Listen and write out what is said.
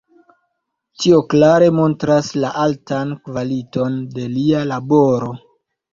Tio klare montras la altan kvaliton de lia laboro.